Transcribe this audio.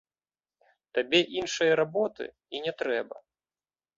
Табе іншае работы і не трэба.